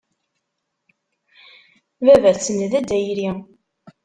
Baba-tsen d Azzayri.